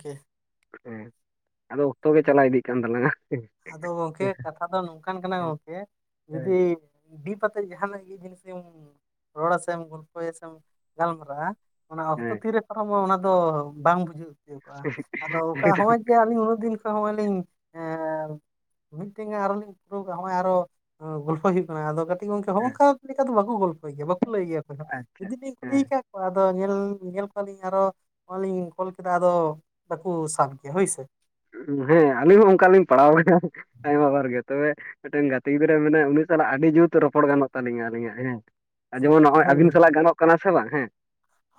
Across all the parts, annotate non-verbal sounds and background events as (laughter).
ᱠᱮ ᱦᱮᱸ ᱟᱫᱚ ᱚᱠᱛᱚ ᱜᱮ ᱪᱟᱞᱟᱣ ᱤᱫᱤᱜ ᱠᱟᱱ ᱛᱟᱞᱟᱝᱟ᱾ ᱟᱫᱚ ᱜᱚᱝᱠᱮ ᱦᱮᱸ ᱠᱟᱛᱷᱟ ᱫᱚ ᱱᱚᱝᱠᱟᱱ ᱠᱟᱱᱟ ᱜᱚᱝᱠᱮ ᱡᱩᱫᱤ ᱤ ᱵᱤᱯᱟᱛᱮ ᱡᱟᱦᱟᱱᱟᱜ ᱜᱮ ᱡᱤᱱᱤᱥ ᱥᱮ ᱚᱝ ᱨᱚᱲᱟᱥᱮᱢ ᱜᱚᱞᱯᱚᱭᱟᱥᱮᱢ ᱜᱟᱞᱢᱟᱨᱟᱜᱼᱟ᱾ ᱚᱱᱟ ᱚᱠᱛᱚ ᱛᱤᱨᱮ ᱯᱟᱨᱚᱢᱚ ᱚᱱᱟ ᱫᱚ ᱵᱟᱝ ᱵᱩᱡᱩᱜ᱾ ᱡᱩᱜᱼᱟ ᱟᱫᱚ ᱚᱠᱟ ᱮᱠᱫᱚᱢ, ᱦᱚᱸᱼᱚᱭ ᱡᱮ ᱟᱞᱤ ᱩᱱᱟᱹᱜ ᱫᱤᱱ ᱠᱷᱚᱱ ᱦᱚᱸᱜᱼᱚᱭ ᱞᱤᱧ ᱮᱸ ᱢᱤᱜᱴᱮᱱ ᱜᱟ ᱟᱨᱚ ᱞᱤᱧ ᱯᱩᱨᱟᱹᱣ ᱠᱟ ᱦᱚᱸᱜᱼᱚᱭ ᱟᱨᱚ ᱟᱸ ᱜᱚᱞᱯᱷᱚᱭ ᱦᱩᱭᱩᱜ ᱠᱟᱱᱟ ᱟᱫᱚ ᱠᱟᱹᱴ ᱤ ᱜᱚᱝᱠᱮ ᱦᱮᱸ ᱦᱚᱸᱼᱚᱝᱠᱟ ᱞᱮᱠᱟ ᱫᱚ ᱵᱟᱠᱩ ᱜᱚᱞᱯᱚᱭ ᱜᱮᱭᱟ ᱵᱟᱠᱩ ᱞᱟᱹᱭ ᱜᱮᱭᱟ ᱚᱠᱚᱭ ᱦᱚᱸ, ᱟᱪᱪᱷᱟ ᱡᱩᱫᱤ ᱞᱤᱧ ᱠᱩᱞᱤᱭ ᱦᱮᱸ ᱠᱟ ᱣᱟ ᱟᱫᱚ ᱧᱮᱞ ᱧᱮᱞ ᱠᱚᱣᱟ ᱞᱤᱧ ᱟᱨᱚ ᱟᱹᱞᱤᱧ ᱠᱚᱞ ᱠᱮᱫᱟ ᱟᱫᱚ ᱵᱟᱠᱩ ᱥᱟᱵ ᱜᱮᱭᱟ ᱦᱳᱭ ᱥᱮ᱾ ᱦᱮᱸ ᱟᱹᱞᱤᱧ ᱦᱚ ᱚᱝᱠᱟᱞᱤᱧ ᱯᱟᱲᱟᱣ ᱟᱭᱢᱟ ᱵᱟᱨ ᱜᱮ᱾ ᱛᱚᱵᱮ ᱢᱮᱜᱴᱮᱱ ᱜᱟᱛᱮ ᱜᱤᱫᱽᱨᱟᱹ ᱢᱮᱱᱟᱭᱟ, ᱩᱱᱤ ᱥᱟᱞᱟᱜ ᱟᱹᱰᱤ ᱡᱩᱛ ᱨᱚᱯᱚᱲ ᱜᱟᱱᱚᱜ ᱛᱟᱹᱞᱤᱧᱟ ᱟᱹᱞᱤᱧᱟᱜ ᱦᱮᱸ᱾ ᱟ ᱡᱮᱢᱚᱱ ᱱᱚᱜᱼᱚᱭ ᱦᱳᱭ ᱟᱹᱵᱤᱱ ᱜᱚᱝᱠᱮ ᱥᱟᱞᱟᱜ ᱜᱟᱱᱚᱜ ᱠᱟᱱᱟ ᱥᱮ ᱵᱟᱝ ᱦᱮᱸ᱾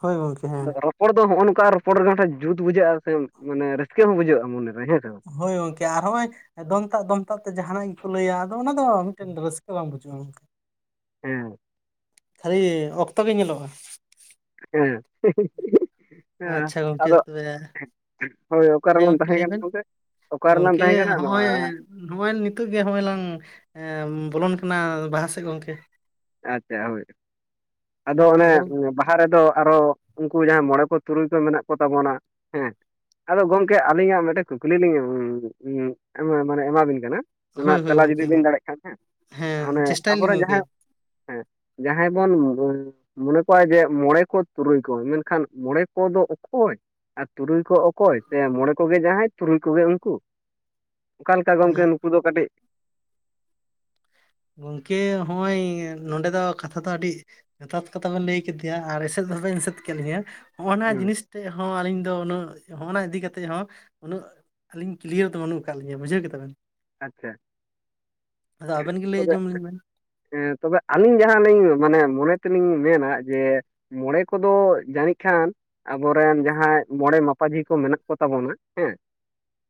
ᱦᱳᱭ ᱜᱚᱝᱠᱮ ᱦᱮᱸ᱾ ᱦᱚᱲ ᱫᱚ ᱦᱚᱜᱼᱚ ᱱᱚᱝᱠᱟ ᱨᱚᱯᱚᱲ (unintelligible) ᱡᱩᱛ ᱵᱩᱡᱷᱟᱹᱜᱼᱟ ᱥᱮ ᱢᱟᱱᱮ ᱨᱟᱹᱥᱠᱟᱹ ᱦᱚᱸ ᱵᱩᱡᱷᱟᱹᱜᱼᱟ ᱢᱚᱱᱮ ᱨᱮ, ᱦᱮᱸ ᱥᱮ ᱵᱟᱝ? ᱦᱳᱭ ᱜᱚᱝᱠᱮ ᱟᱨ ᱦᱚᱸᱜᱼᱚᱭ ᱫᱚᱱᱛᱟᱜ ᱫᱚᱱᱛᱟᱵ ᱛᱮ ᱡᱟᱦᱟᱱᱟ ᱤᱧ ᱯᱷᱩᱞᱟᱹᱭᱼᱭᱟ ᱟᱫᱚ ᱚᱱᱟ ᱫᱚ ᱢᱤᱜᱴᱮᱱ ᱨᱟᱹᱥᱠᱟᱹ ᱵᱟᱝ ᱵᱩ (unintelligible) ᱦᱮᱸ᱾ (unintelligible) ᱚᱠᱛᱚ ᱜᱮ ᱧᱮᱞᱚᱜᱼᱟ᱾ ᱦᱮᱸ᱾ ᱦᱮᱸ ᱟᱪᱪᱷᱟ ᱜᱚᱝᱠᱮ ᱟᱫᱚ ᱛᱚᱵᱮ ᱦᱳᱭ ᱚᱠᱟ ᱦᱮᱸ ᱨᱮᱵᱚᱱ ᱜᱚᱝᱠᱮ ᱛᱟᱦᱮᱸ ᱠᱟᱱ ᱜᱚᱝᱠᱮ? ᱚᱠᱟ ᱨᱮᱞᱟᱝ ᱛᱟᱦᱮᱸ ᱠᱟᱱᱟ (unintelligible) ᱮᱸ ᱱᱚᱜᱼᱚᱭ ᱱᱤᱛᱚᱜ ᱜᱮ ᱦᱚᱜᱼᱚᱭ ᱞᱟᱝ ᱮᱸ ᱵᱚᱞᱚᱱ ᱠᱟᱱᱟ ᱵᱟᱦᱟ ᱥᱮᱜ ᱜᱚᱝᱠᱮ᱾ ᱟᱪᱪᱷᱟ ᱦᱳᱭ, ᱟᱫᱚ ᱚᱱᱮ ᱵᱟ ᱦᱟ ᱨᱮᱫᱚ ᱟᱨᱚ ᱩᱝᱠᱩ ᱡᱟᱦᱟᱸᱭ ᱢᱚᱬᱮ ᱠᱚ ᱛᱩᱨᱩᱭ ᱠᱚ ᱢᱮᱱᱟᱜ ᱠᱚ ᱛᱟᱵᱚᱱᱟ ᱦᱮᱸ᱾ ᱟᱫᱚ ᱜᱚᱝᱠᱮ ᱟᱹᱞᱤᱧᱟᱜ ᱢᱮᱴᱮ ᱠᱩᱠᱞᱤ ᱞᱤᱧ (unintelligible) ᱢᱟᱱᱮ ᱮᱢᱟᱵᱤᱱ ᱠᱟᱱᱟ᱾ ᱦᱳᱭ ᱚᱱᱟᱜ ᱦᱳᱭ ᱛᱮᱞᱟ ᱜᱚᱝᱠᱮ ᱡᱩᱫᱤ ᱢᱟ ᱵᱮᱱ ᱫᱟᱲᱮᱜ ᱠᱷᱟᱱ ᱦᱮᱸ᱾ ᱦᱮᱸ ᱦᱟᱱᱮ ᱪᱮᱥᱴᱟᱭᱟᱞᱤᱧ ᱟᱵᱚᱨᱮᱱ ᱜᱚᱝᱠᱮ ᱡᱟᱦᱟᱸᱭ ᱦᱮᱸ ᱡᱟᱦᱟᱸᱭ ᱵᱚᱱ ᱜᱚᱝ ᱢᱚᱱᱮ ᱠᱚᱭᱟᱜ ᱡᱮ ᱢᱚᱬᱮ ᱠᱚ ᱛᱩᱨᱩᱭ ᱠᱚ ᱢᱮᱱᱠᱷᱟᱱ ᱢᱚᱬᱮ ᱠᱚᱫᱚ ᱚᱠᱚᱭ? ᱟ ᱛᱩᱨᱩᱭ ᱠᱚ ᱚᱠᱚᱭ ᱥᱮ, ᱢᱚᱲᱮ ᱠᱚᱜᱮ ᱡᱟᱦᱟᱸᱭ ᱛᱩᱨᱩᱭ ᱠᱩᱜᱮ ᱩᱱᱠᱩ᱾ ᱚᱠᱟ ᱞᱮᱠᱟ ᱦᱮᱸ ᱜᱚᱝᱠᱮ ᱱᱩᱠᱩ ᱫᱚ ᱠᱟᱹᱴᱤᱡ ᱜᱚᱝᱠᱮ ᱦᱚᱸᱼᱚᱭ ᱱᱚᱰᱮ ᱫᱚ ᱠᱟᱛᱷᱟ ᱫᱚ ᱟᱹᱰᱤ ᱡᱚᱛᱷᱟᱛ ᱠᱟᱛᱷᱟ ᱵᱮᱱ ᱞᱟᱹᱭ ᱠᱮᱫᱮᱭᱟ ᱟᱨ ᱮᱥᱮᱫ ᱦᱚᱸ ᱵᱮᱱ ᱮᱥᱮᱫ ᱠᱮᱫ ᱞᱤᱧᱟᱹ ᱦᱚᱜᱼᱚᱱᱟ ᱦᱮᱸ ᱡᱤᱱᱤᱥ ᱛᱮᱜ ᱦᱚᱸ ᱟᱹᱞᱤᱧ ᱫᱚ ᱩᱱᱟᱹᱜ ᱦᱚᱜᱼᱚᱱᱟ ᱤᱫᱤ ᱠᱟᱛᱮᱡ ᱦᱚᱸ ᱩᱱᱟᱹᱜ ᱟᱹᱞᱤᱧ ᱠᱞᱤᱭᱟᱹᱨ ᱫᱚ ᱵᱟᱹᱱᱩᱜ ᱠᱟᱜ ᱞᱤᱧᱟᱹ ᱵᱩᱡᱷᱟᱹᱣ ᱠᱮᱫᱟ ᱵᱮᱱ᱾ ᱟᱪᱪᱷᱟ, ᱟᱫᱚ ᱟᱵᱮᱱ ᱜᱮ ᱞᱟᱹᱭ ᱛᱚᱵᱮ ᱟᱸᱡᱚᱢ ᱟᱹᱞᱤᱧ ᱵᱮᱱ ᱮᱸ ᱛᱚᱵᱮ ᱟᱹᱞᱤᱧ ᱡᱟᱦᱟᱸᱞᱤᱧ ᱢᱟᱱᱮ ᱢᱚᱱᱮ ᱛᱮᱞᱤᱧ ᱢᱮᱱᱟ ᱡᱮ ᱢᱚᱬᱮ ᱠᱚᱫᱚ ᱡᱟᱹᱱᱤᱡ ᱠᱷᱟᱱ ᱟᱵᱚᱨᱮᱱ ᱡᱟᱦᱟᱸᱭ ᱢᱚᱬᱮ ᱢᱟᱯᱟᱡᱷᱤ ᱠᱚ ᱢᱮᱱᱟᱜ ᱠᱚ ᱛᱟᱵᱚᱱᱟ ᱦᱮᱸ,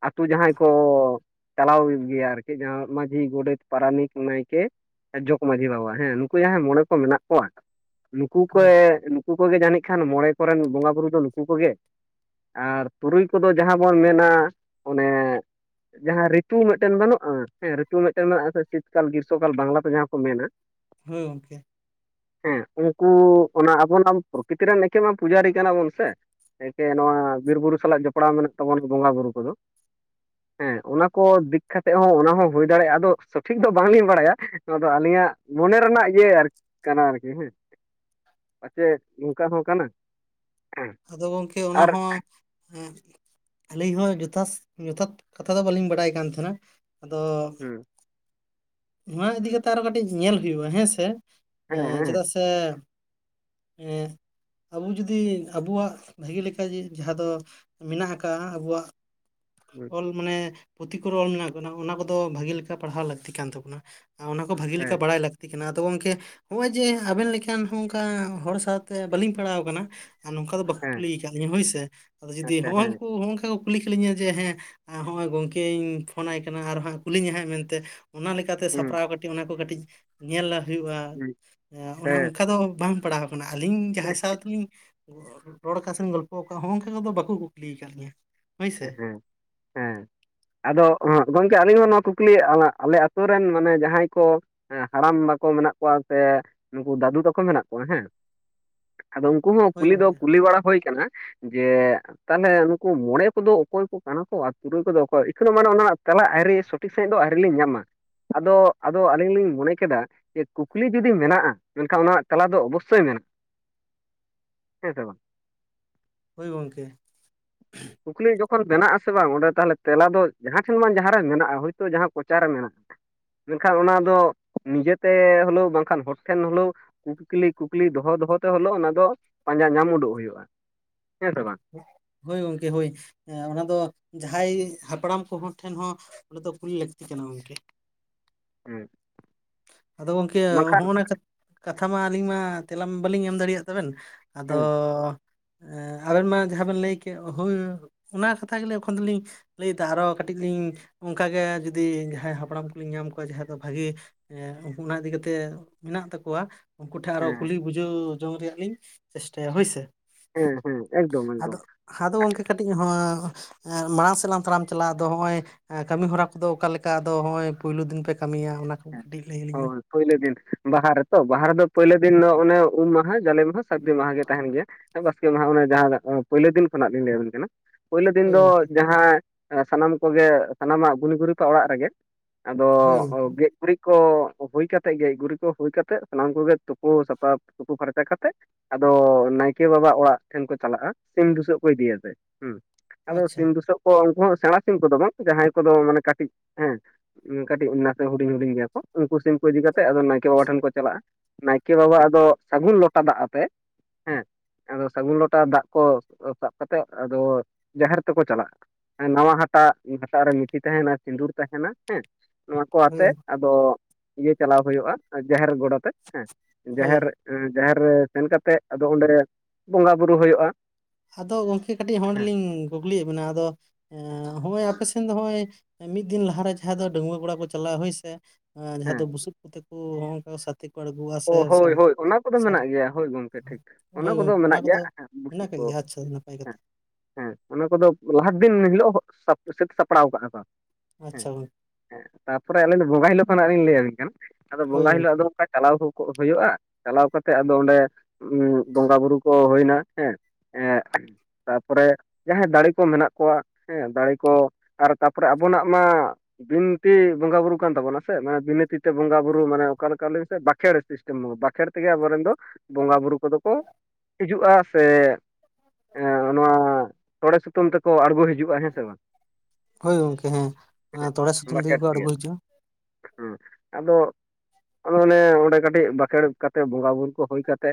ᱟᱛᱩ ᱡᱟᱦᱟᱸᱭ ᱠᱚ ᱪᱟᱞᱟᱣᱮᱫ ᱜᱮᱭᱟ ᱟᱨᱠᱤ ᱡᱟ ᱢᱟᱹᱡᱷᱤ ᱜᱚᱰᱮᱛ ᱯᱟᱨᱟᱱᱤᱠ ᱱᱟᱭᱠᱮ ᱡᱚᱜᱽ ᱢᱟᱹᱡᱷᱤ ᱵᱟᱵᱟ ᱦᱮᱸ ᱱᱩᱠᱩ ᱡᱟᱦᱟᱸᱭ ᱢᱚᱬᱮ ᱠᱚ ᱢᱮᱱᱟᱜ ᱠᱚᱣᱟ ᱱᱩᱠᱩ ᱠᱮ ᱦᱳᱭ ᱱᱩᱠᱩ ᱠᱚᱜᱮ ᱡᱟᱹᱱᱤᱡ ᱠᱷᱟᱱ ᱢᱚᱬᱮ ᱠᱚᱨᱮᱱ ᱵᱚᱸᱜᱟ ᱵᱩᱨᱩ ᱫᱚ ᱱᱩᱠᱩ ᱠᱚᱜᱮ, ᱟᱨ ᱛᱩᱨᱩᱭ ᱠᱚᱫᱚ ᱡᱟᱦᱟᱸ ᱵᱚᱱ ᱢᱮᱱᱟ ᱚᱱᱮ ᱡᱟᱦᱟᱸ ᱨᱤ ᱨᱤᱛᱩ ᱢᱮᱴᱮᱱ ᱵᱟᱹᱱᱩᱜᱼᱟ ᱦᱮᱸ ᱨᱤᱛᱩ ᱢᱮᱴᱮᱱ ᱢᱮᱱᱟᱜᱼᱟ ᱥᱤᱛᱠᱟᱞ ᱜᱤᱨᱥᱚᱠᱟᱞ ᱵᱟᱝᱞᱟᱛᱮ ᱡᱟᱦᱟᱸ ᱠᱚ ᱢᱮᱱᱟ, ᱦᱳᱭ ᱜᱚᱝᱠᱮ, ᱦᱮᱸ ᱩᱱᱠᱩ ᱚᱱᱟ ᱟᱵᱚ ᱚᱱᱟ ᱯᱨᱚᱠᱤᱛᱤᱨᱮᱱ ᱮᱠᱮ ᱢᱟ ᱯᱩᱡᱟᱨᱤ ᱠᱟᱱᱟ ᱵᱚᱱ ᱥᱮ, ᱮᱠᱮ ᱱᱚᱣᱟ ᱵᱤᱨ ᱵᱩᱨᱩ ᱥᱟᱞᱟᱜ ᱡᱚᱯᱲᱟᱣ ᱢᱮᱱᱟᱜ ᱛᱟᱵᱚᱱᱟ ᱵᱚᱸᱜᱟ ᱵᱩᱨᱩ ᱠᱚᱫᱚ ᱦᱮᱸ ᱚᱱᱟ ᱠᱚ ᱫᱤᱠ ᱠᱟᱛᱮᱫ ᱦᱚᱸ ᱚᱱᱟ ᱦᱚᱸ ᱦᱩᱭ ᱫᱟᱲᱮᱭᱟᱜᱼᱟ ᱟᱫᱚ ᱥᱚᱴᱷᱤᱠ ᱫᱚ ᱵᱟᱝᱞᱤᱧ ᱵᱟᱲᱟᱭᱟ ᱱᱚᱣᱟ ᱫᱚ ᱟᱹᱞᱤᱧᱟᱜ ᱢᱚᱱᱮ ᱨᱮᱱᱟᱜ ᱤᱭᱟᱹ ᱟᱨ ᱠᱟᱱᱟ ᱟᱨᱠᱤ ᱦᱮᱸ ᱯᱟᱪᱮᱫ ᱱᱚᱝᱠᱟ ᱦᱚᱸ ᱠᱟᱱᱟ, ᱟᱫᱚ ᱜᱚᱝᱠᱮ ᱚᱱᱟ ᱟᱨ ᱦᱚᱸ ᱦᱮᱸ ᱟᱹᱞᱤᱧ ᱦᱚᱸ ᱡᱚᱛᱷᱟᱛ ᱡᱚᱛᱷᱟᱛ ᱠᱟᱛᱷᱟ ᱫᱚ ᱵᱟᱹᱞᱤᱧ ᱵᱟᱰᱟᱭ ᱠᱟᱱ ᱛᱟᱦᱮᱱᱟ ᱟᱫᱚ ᱦᱮᱸ ᱱᱚᱣᱟ ᱤᱫᱤ ᱠᱟᱛᱮᱜ ᱟᱨᱚ ᱠᱟᱹᱴᱤᱡ ᱧᱮᱞ ᱦᱩᱭᱩᱜᱼᱟ ᱦᱮᱸᱥᱮ ᱦᱮᱸ ᱦᱮᱸ ᱪᱮᱫᱟᱜ ᱥᱮ ᱮᱸ, ᱟᱵᱩ ᱡᱩᱫᱤ ᱟᱵᱚᱣᱟᱜ ᱵᱷᱟᱜᱤ ᱞᱮᱠᱟ ᱡᱟᱦᱟᱸ ᱫᱚ ᱢᱮᱱᱟᱜ ᱠᱟᱜ-ᱟ ᱟᱵᱩᱣᱟᱜ ᱦᱮᱸ ᱚᱞ ᱢᱟᱱᱮ ᱯᱩᱛᱷᱤ ᱠᱚᱨᱚᱱ ᱚᱞ ᱢᱮᱱᱟᱜ ᱠᱟᱱᱟ ᱚᱱᱟ ᱠᱚᱫᱚ ᱵᱷᱟᱜᱮ ᱞᱮᱠᱟ ᱯᱟᱲᱦᱟᱣ ᱞᱟᱹᱠᱛᱤ ᱠᱟᱱ ᱛᱟᱵᱳᱱᱟ, ᱟᱨ ᱚᱱᱟ ᱠᱚ ᱵᱷᱟᱹᱜᱤ ᱞᱮᱠᱟ ᱦᱮᱸ ᱵᱟᱲᱟᱭ ᱞᱟᱠ ᱞᱟᱹᱠᱛᱤ ᱠᱟᱱᱟ ᱟᱫᱚ ᱜᱚᱝᱠᱮ ᱱᱚᱜᱼᱚᱭ ᱡᱮ ᱟᱵᱮᱱ ᱞᱮᱠᱟᱱ ᱦᱚᱸ ᱚᱱᱠᱟ ᱦᱚᱲ ᱥᱟᱶᱛᱮ ᱵᱟᱹᱞᱤᱧ ᱯᱟᱲᱟᱣ ᱠᱟᱱᱟ, ᱟᱨ ᱱᱚᱝᱠᱟ ᱫᱚ ᱵᱟᱠᱚ ᱦᱮᱸ ᱠᱩᱞᱤ ᱠᱟᱫᱤᱧᱟᱹ ᱦᱳᱭᱥᱮ ᱟᱫᱚ ᱡᱩᱫᱤ ᱟᱪᱪᱷᱟ ᱦᱚᱸᱜᱼᱚᱭ ᱦᱮᱸ ᱩᱱᱠᱩ ᱦᱚᱸᱜ ᱚᱱᱠᱟ ᱠᱩᱞᱤ ᱠᱤᱞᱤᱧᱟ ᱡᱮ ᱦᱮᱸ ᱦᱚᱜᱼᱚᱭ ᱜᱚᱝᱠᱮ ᱤᱧ ᱯᱷᱳᱱ ᱟᱭ ᱠᱟᱱᱟ ᱟᱨ ᱦᱟᱸᱜ ᱠᱩᱞᱤᱧᱟᱭ ᱦᱟᱸᱜ ᱢᱮᱱᱛᱮ ᱚᱱᱟ ᱞᱮᱠᱟᱛᱮ ᱦᱮᱸ ᱥᱟᱯᱨᱟᱣ ᱠᱟᱹᱴᱤᱡ ᱚᱱᱟ ᱠᱚ ᱠᱟᱹᱴᱤᱡ ᱧᱮᱞ ᱦᱩᱭᱩᱜᱼᱟ ᱚᱱᱟ ᱦᱮᱸ ᱚᱱᱠᱟ ᱫᱚ ᱵᱟᱝ ᱯᱟᱲᱟᱣ ᱢᱟᱱᱮ ᱟᱹᱞᱤᱧ ᱡᱟᱦᱟᱸᱭ ᱥᱟᱶᱛᱮᱞᱤᱧ ᱨᱚᱲ ᱠᱟ ᱥᱮᱢ ᱜᱚᱞᱯᱚ ᱠᱟᱜᱼᱟ ᱦᱚᱸᱜ ᱚᱱᱠᱟ ᱠᱚᱫᱚ ᱵᱟᱠᱚ ᱠᱩᱠᱞᱤ ᱠᱟᱫᱞᱤᱧᱟ, ᱦᱮᱸ ᱦᱮᱸ, ᱟᱫᱚ ᱜᱚᱝᱠᱮ ᱟᱹᱞᱤᱧ ᱦᱚᱸ ᱱᱚᱣᱟ ᱠᱩᱠᱞᱤ ᱟᱞᱮ ᱟᱛᱳ ᱨᱮᱱ ᱢᱟᱱᱮ ᱡᱟᱦᱟᱸᱭ ᱠᱚ ᱦᱮᱸ ᱦᱟᱲᱟᱢ ᱵᱟᱠᱚ ᱢᱮᱱᱟᱜ ᱠᱚᱣᱟ ᱥᱮ ᱱᱩᱠᱩ ᱫᱟᱹᱫᱩ ᱛᱟᱠᱚ ᱢᱮᱱᱟᱜ ᱠᱚᱣᱟ ᱦᱮᱸ, ᱟᱫᱚ ᱩᱱᱠᱩ ᱦᱚᱸ ᱦᱳᱭ ᱠᱩᱞᱤ ᱫᱚ ᱜᱚᱝᱠᱮ ᱠᱩᱞᱤ ᱵᱟᱲᱟ ᱦᱩᱭ ᱠᱟᱱᱟ ᱡᱮ ᱛᱟᱞᱦᱮ ᱩᱱᱠᱩ ᱢᱚᱬᱮ ᱠᱚᱫᱚ ᱚᱠᱚᱭ ᱠᱚ ᱠᱟᱱᱟ ᱠᱚ ᱟᱨ ᱛᱩᱨᱩᱭ ᱠᱚᱫᱚ ᱚᱠᱚᱭ ᱮᱠᱷᱚᱱᱳ ᱫᱚ ᱢᱟᱱᱮ ᱚᱱᱟ ᱨᱮᱱᱟᱜ ᱛᱮᱞᱟ ᱟᱹᱭᱨᱤ ᱥᱚᱴᱷᱤᱠ ᱥᱟᱦᱤᱡ ᱫᱚ ᱟᱹᱣᱨᱤ ᱞᱤᱧ ᱧᱟᱢᱟ᱾ ᱟᱫᱚ ᱟᱫᱚ ᱟᱹᱞᱤᱧ ᱞᱤᱧ ᱢᱚᱱᱮ ᱠᱮᱫᱟ, ᱪᱮᱫ ᱠᱩᱠᱞᱤ ᱡᱩᱫᱤ ᱢᱮᱱᱟᱜᱼᱟ ᱢᱮᱱᱠᱷᱟᱱ ᱚᱱᱟ ᱛᱟᱞᱟ ᱫᱚ ᱚᱵᱚᱥᱥᱳᱭ ᱢᱮᱱᱟᱜᱼᱟ, ᱦᱮᱸ ᱥᱮ ᱵᱟᱝ? ᱦᱳᱭ ᱜᱚᱝᱠᱮ᱾ ᱠᱩᱠᱞᱤ ᱡᱚᱠᱷᱚᱱ ᱵᱮᱱᱟᱜ ᱟᱥᱮ ᱵᱟᱝ ᱚᱸᱰᱮ ᱛᱟᱦᱚᱞᱮ ᱛᱮᱞᱟ ᱫᱚ ᱡᱟᱦᱟᱸ ᱴᱷᱮᱱ ᱵᱟᱝ ᱡᱟᱦᱟᱸ ᱨᱮ ᱢᱮᱱᱟᱜᱼᱟ ᱦᱳᱭᱛᱳ ᱡᱟᱦᱟᱸ ᱠᱚᱪᱟᱨᱮ ᱢᱮᱱᱟᱜᱼᱟᱺ ᱢᱮᱱᱠᱷᱟᱱ ᱚᱱᱟ ᱫᱚ ᱱᱤᱡᱮᱛᱮ ᱦᱳᱞᱳᱣ ᱵᱟᱝᱠᱷᱟᱱ ᱦᱚᱲ ᱴᱷᱮᱱ ᱦᱳᱞᱳᱣ, ᱠᱩᱠᱞᱤ ᱠᱩᱠᱞᱤ ᱫᱚᱦᱚ ᱫᱚᱦᱚᱛᱮ ᱦᱚᱞᱮ ᱳ ᱚᱱᱟ ᱫᱚ ᱯᱟᱸᱡᱟ ᱧᱟᱢ ᱩᱰᱩᱜ ᱦᱩᱭᱩᱜᱼᱟ ᱦᱮᱸ ᱥᱮ ᱵᱟᱝ? ᱦᱳᱭ ᱜᱚᱢᱠᱮ ᱦᱳᱭ ᱚᱱᱟ ᱫᱚ ᱡᱟᱦᱟᱸᱭ ᱦᱟᱯᱲᱟᱢ ᱠᱚᱦᱚᱸ ᱴᱷᱮᱱ ᱦᱚᱸ ᱚᱱᱟ ᱛᱚ ᱠᱩᱞᱤ ᱞᱟᱹᱠᱛᱤ ᱠᱟᱱᱟ ᱜᱚᱝᱠᱮ, ᱦᱮᱸ᱾ ᱟᱫᱚ ᱜᱚᱝᱠᱮ ᱵᱟᱝᱠᱷᱟᱱ ᱦᱚᱸᱜᱼᱚ ᱱᱟ ᱠᱟᱛᱷᱟ ᱢᱟ ᱟᱹᱞᱤᱧ ᱢᱟ ᱛᱮᱞᱟ ᱢᱟ ᱵᱟᱹᱞᱤᱧ ᱮᱢ ᱫᱟᱲᱮᱭᱟᱜ ᱛᱟᱵᱮᱱ, ᱟᱫᱚ ᱦᱮᱸ ᱟᱵᱮᱱ ᱢᱟ ᱡᱟᱦᱟᱸ ᱵᱮᱱ ᱞᱟᱹᱭ ᱠᱮᱫ ᱦᱳᱭ ᱚᱱᱟ ᱠᱟᱛᱷᱟ ᱜᱮᱞᱮ ᱮᱠᱷᱚᱱ ᱫᱚᱞᱤᱧ ᱞᱟᱹᱭᱫᱟ ᱟᱨᱦᱚ ᱠᱟᱹᱴᱤᱡ ᱞᱤᱧ ᱚᱱᱠᱟᱜᱮ ᱡᱩᱫᱤ ᱡᱟᱦᱟᱸᱭ ᱦᱟᱯᱲᱟᱢ ᱠᱚᱞᱤᱧ ᱧᱟᱢ ᱠᱚᱣᱟ ᱡᱟᱦᱟᱸᱭ ᱫᱚ ᱵᱷᱟᱹᱜᱤ ᱦᱮᱸ ᱩᱱᱠᱩ ᱚᱱᱟ ᱤᱫᱤ ᱠᱟᱛᱮᱜ ᱢᱮᱱᱟᱜ ᱛᱟᱠᱚᱣᱟ ᱩᱱᱠᱩ ᱴᱷᱮᱱ ᱟᱨᱦᱚᱸ ᱦᱮᱸ ᱠᱩᱞᱤ ᱵᱩᱡᱷᱟᱹᱣ ᱡᱚᱝ ᱨᱮᱭᱟᱜ ᱞᱤᱧ ᱪᱮᱥᱴᱟᱭᱟ ᱦᱳᱭᱥᱮ ᱦᱮᱸ ᱦᱮᱸ ᱮᱠᱫᱚᱢ ᱟᱫᱚ ᱮᱠᱫᱚᱢ ᱟᱫᱚ ᱜᱚᱝᱠᱮ ᱠᱟᱴᱤᱡ ᱦᱚᱸ ᱢᱟᱲᱟᱝ ᱥᱮᱫ ᱞᱟᱝ ᱛᱟᱲᱟᱢ ᱪᱟᱞᱟᱜᱼᱟ ᱟᱫᱚ ᱱᱚᱜ ᱚᱭ ᱠᱟᱹᱢᱤ ᱦᱚᱨᱟ ᱠᱚᱫᱚ ᱚᱠᱟ ᱞᱮᱠᱟ ᱟᱫᱚ ᱱᱚᱜᱼᱚᱭ ᱯᱳᱭᱞᱳ ᱫᱤᱱ ᱯᱮ ᱠᱟᱹᱢᱤᱭᱟ ᱚᱱᱟ ᱠᱚ ᱦᱮᱸ ᱠᱟᱹᱴᱤᱡ ᱞᱟᱹᱭ ᱟᱹᱞᱤᱧ ᱢᱮ? ᱦᱳᱭ ᱯᱳᱭᱞᱳ ᱫᱤᱱ ᱵᱟᱦᱟ ᱨᱮᱛᱚ ᱵᱟᱦᱟ ᱨᱮᱫᱚ ᱯᱳᱭᱞᱳ ᱫᱤᱱ ᱫᱚ ᱚᱱᱮ ᱩᱢ ᱢᱟᱦᱟ ᱡᱟᱞᱮ ᱢᱟᱦᱟ ᱥᱟᱨᱫᱤ ᱢᱟᱦᱟ ᱜᱮ ᱛᱟᱦᱮᱱ ᱜᱮᱭᱟ ᱦᱮ ᱵᱟᱥᱠᱮ ᱢᱟᱦᱟ ᱚᱱᱮ ᱡᱟᱦᱟᱸ ᱯᱳᱭᱞᱳ ᱫᱤᱱ ᱠᱷᱚᱱᱟᱜ ᱞᱤᱧ ᱞᱟᱹᱭ ᱟᱵᱤᱱ ᱠᱟᱱᱟ ᱾ ᱯᱳᱭᱞᱳ ᱫᱤᱱ ᱦᱳᱭ ᱫᱚ ᱜᱚᱝᱠᱮ ᱡᱟᱦᱟᱸ ᱥᱟᱱᱟᱢ ᱠᱚᱜᱮ ᱥᱟᱱᱟᱢᱟᱜ ᱜᱩᱱᱤ ᱜᱩᱨᱤᱵᱟᱜ ᱚᱲᱟᱜ ᱨᱮᱜᱮ ᱟᱫᱚ ᱦᱳᱭ ᱜᱚᱝᱠᱮ ᱜᱮ ᱜᱩᱨᱤᱡ ᱠᱚ ᱦᱩᱭ ᱠᱟᱛᱮᱫ ᱜᱮ ᱜᱩᱨᱤᱡ ᱠᱚ ᱦᱩᱭ ᱠᱟᱛᱮᱜ ᱥᱟᱱᱟᱢ ᱠᱚᱜᱮ ᱛᱩᱯᱩ ᱥᱟᱯᱟᱯ ᱛᱩᱯᱩ ᱯᱷᱟᱨᱪᱟ ᱠᱟᱛᱮᱜ ᱟᱫᱚ ᱱᱟᱭᱠᱮ ᱵᱟᱵᱟ ᱚᱲᱟᱜ ᱴᱷᱮᱱ ᱠᱚ ᱪᱟᱞᱟᱜᱼᱟ ᱥᱤᱢ ᱵᱩᱥᱟᱹᱜ ᱠᱚ ᱤᱫᱤᱭᱟᱛᱮ ᱦᱮᱸ ᱾ ᱟᱫᱚ ᱟᱪᱪᱷᱟ ᱥᱤᱢ ᱵᱩᱥᱟᱹᱜ ᱩᱱᱠᱩ ᱦᱚᱸ ᱥᱮᱬᱟ ᱥᱤᱢ ᱠᱚᱫᱚ ᱵᱟᱝ ᱡᱟᱦᱟᱸᱭ ᱠᱚᱫᱚ ᱢᱟᱱᱮ ᱠᱟᱹᱴᱤᱡ ᱦᱮᱸ ᱠᱟᱹᱴᱤᱡ ᱱᱟᱥᱮ ᱦᱩᱰᱤᱧ ᱦᱩᱰᱤᱧ ᱜᱮᱭᱟ ᱠᱚ ᱩᱱᱠᱩ ᱥᱤᱢ ᱠᱚ ᱤᱫᱤ ᱠᱟᱛᱮᱜ ᱟᱫᱚ ᱱᱟᱭᱠᱮ ᱵᱟᱵᱟ ᱴᱷᱮᱱ ᱠᱚ ᱪᱟᱞᱟᱜᱼᱟ ᱾ ᱱᱟᱭᱠᱮ ᱵᱟᱵᱟ ᱟᱫᱚ ᱥᱟᱹᱜᱩᱱ ᱞᱚᱴᱟ ᱫᱟᱜ ᱟᱛᱮ ᱦᱮᱸ ᱟᱫᱚ ᱥᱟᱹᱜᱩᱱ ᱞᱚᱴᱟ ᱫᱟᱜ ᱠᱚ ᱥᱟᱵ ᱠᱟᱛᱮᱜ ᱟᱫᱚ ᱡᱟᱦᱮᱨ ᱛᱮᱠᱚ ᱪᱟᱞᱟᱜᱼᱟ ᱾ ᱱᱟᱣᱟ ᱦᱟᱴᱟᱜ ᱦᱟᱴᱟᱜ ᱨᱮ ᱢᱤᱛᱷᱤ ᱛᱟᱦᱮᱱᱟ ᱥᱤᱸᱫᱩᱨ ᱛᱟᱦᱮᱱᱟ ᱦᱮᱸ ᱱᱚᱣᱟ ᱠᱚ ᱦᱳᱭ ᱛᱮ ᱜᱚᱝᱠᱮ, ᱟᱫᱚ ᱤᱭᱟᱹ ᱪᱟᱞᱟᱣ ᱦᱩᱭᱩᱜᱼᱟ ᱡᱟᱦᱮᱨ ᱜᱚᱰᱟ ᱛᱮ ᱦᱮᱸ ᱦᱳᱭ ᱡᱟᱦᱮᱨ ᱡᱟᱦᱮᱨ ᱨᱮ ᱥᱮᱱ ᱠᱟᱛᱮᱜ ᱟᱫᱚ ᱚᱸᱰᱮ ᱵᱚᱸᱜᱟ ᱵᱩᱨᱩ ᱦᱩᱭᱩᱜᱼᱟ ᱾ ᱟᱫᱚ ᱜᱚᱝᱠᱮ ᱠᱟᱹᱴᱤᱡ ᱦᱚᱰᱮᱞᱤᱧ ᱠᱩᱠᱞᱤᱭᱮᱫ ᱵᱮᱱᱟ ᱟᱫᱚ ᱮ ᱦᱚᱸᱜᱼᱚᱭ ᱟᱯᱮ ᱥᱮᱱ ᱫᱚ ᱱᱚᱜᱼᱚᱭ ᱢᱤᱫ ᱫᱤᱱ ᱞᱟᱦᱟᱨᱮ ᱡᱟᱦᱟᱸᱭ ᱫᱚ ᱰᱟᱹᱜᱩᱣᱟᱹ ᱠᱚᱲᱟ ᱠᱚ ᱪᱟᱞᱟᱜ ᱦᱳᱭ ᱥᱮ ᱡᱟᱦᱟᱸ ᱦᱮᱸ ᱫᱚ ᱵᱩᱥᱩᱵ ᱠᱚᱛᱮ ᱠᱚ ᱱᱚᱜᱝᱠᱟ ᱦᱛᱤ ᱠᱚ ᱟᱬᱜᱳᱼᱟ ᱚ ᱥᱮ ᱦᱳᱭ ᱦᱳᱭ ᱚᱱᱟ ᱠᱚᱫᱚ ᱢᱮᱱᱟᱜ ᱜᱮᱭᱟ ᱦᱳᱭ ᱜᱚᱢᱠᱮ ᱴᱷᱤᱠ ᱦᱳᱭ ᱜᱚᱝᱠᱮ ᱚᱱᱟ ᱢᱮᱱᱟᱜ ᱜᱮᱭᱟ ᱠᱚᱫᱚ ᱦᱮᱸ ᱵᱩᱥᱩᱵ ᱢᱮᱱᱟᱜ ᱠᱟᱜ ᱠᱚ ᱜᱮᱭᱟ? (unintelligible) ᱱᱟᱯᱟᱭ ᱠᱟᱛᱷᱟ᱾ ᱦᱮᱸ ᱦᱮᱸ ᱚᱱᱟ ᱠᱚᱫᱚ ᱞᱟᱦᱟ ᱫᱤᱱ ᱦᱤᱞᱳᱜ ᱥᱟᱹᱛ ᱥᱟᱯᱲᱟᱣ ᱠᱟᱜᱼᱟ ᱠᱚ ᱾ ᱟᱪᱪᱷᱟ ᱾ ᱦᱮᱸ ᱛᱟᱯᱚᱨᱮ ᱟᱹᱞᱤᱧ ᱫᱚ ᱵᱚᱸᱜᱟ ᱦᱤᱞᱳᱜ ᱠᱷᱱᱟᱜ ᱞᱤᱧ ᱞᱟᱹᱭ ᱟᱵᱤᱱ ᱠᱟᱱᱟ ᱟᱫᱚ ᱦᱳᱭ ᱵᱚᱸᱜᱟ ᱦᱤᱞᱳᱜ ᱜᱚᱝᱠᱮ ᱫᱚ ᱚᱱᱠᱟ ᱪᱟᱞᱟᱣ ᱠᱚ ᱦᱩᱭᱩᱜᱼᱟ ᱪᱟᱞᱟᱣ ᱠᱟᱛᱮᱜ ᱟᱫᱚ ᱚᱸᱰᱮ ᱵᱚᱸᱜᱟ ᱵᱩᱨᱩ ᱠᱚ ᱦᱩᱭᱱᱟ ᱦᱮᱸ ᱾ ᱦᱮ ᱛᱟᱨᱯᱚᱨᱮ ᱡᱟᱦᱟᱸᱭ ᱫᱟᱲᱮ ᱠᱚ ᱢᱮᱱᱟᱜ ᱠᱚᱣᱟ ᱦᱮᱸ ᱫᱟᱲᱮ ᱠᱚ ᱟᱨ ᱛᱟᱯᱚᱨᱮ ᱟᱵᱚᱱᱟᱜ ᱢᱟ ᱵᱤᱱᱛᱤ ᱵᱚᱸᱜᱟ ᱵᱩᱨᱩ ᱠᱟᱱ ᱛᱟᱵᱚᱱᱟ ᱥᱮ ᱢᱟᱱᱮ ᱵᱤᱱᱟᱹ ᱛᱤ ᱛᱮ ᱵᱚᱸᱜᱟ ᱵᱩᱨᱩ ᱢᱟᱱᱮ ᱚᱠᱟᱞᱮᱠᱟ ᱞᱟᱹᱭ ᱵᱤᱱ ᱥᱮ ᱵᱟᱸᱠᱷᱮᱲ ᱥᱤᱥᱴᱮᱢ ᱵᱟᱸᱠᱷᱮᱲ ᱛᱮᱜᱮ ᱟᱵᱚ ᱨᱮᱱ ᱫᱚ ᱵᱚᱸᱜᱟ ᱵᱩᱨᱩ ᱠᱚᱫᱚ ᱠᱚ ᱦᱤᱡᱩᱜᱼᱟ ᱥᱮ ᱱᱚᱣᱟ ᱛᱚᱲᱮ ᱥᱩᱛᱟᱹᱢ ᱛᱮᱠᱚ ᱟᱬᱜᱚ ᱦᱤᱡᱩᱜ ᱦᱳᱭ ᱜᱚᱝᱠᱮ ᱦᱮᱸ ᱛᱚᱲᱮ ᱥᱩᱛᱟᱹᱢ ᱛᱮᱜᱮ ᱠᱚ ᱟᱬᱜᱚ ᱦᱤᱡᱩᱜᱼᱟ ᱾ ᱦᱮᱸ ᱟᱫᱚ ᱟᱫᱚ ᱚᱱᱮ ᱠᱟᱹᱴᱤᱡ ᱵᱟᱠᱷᱮᱲ ᱠᱟᱛᱮᱫ ᱵᱚᱸᱜᱟ ᱵᱩᱨᱩ ᱠᱚ ᱦᱩᱭ ᱠᱟᱛᱮ